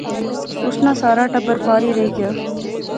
اس ناں سار ٹبر پار ہی رہی گیا